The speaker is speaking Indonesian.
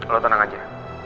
lo tenang aja